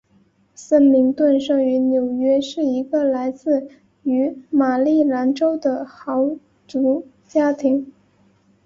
森明顿生于纽约市一个来自于马里兰州的豪族家庭。